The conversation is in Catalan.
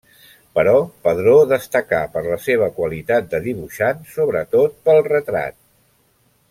Però Padró destacà per la seva qualitat de dibuixant, sobretot pel retrat.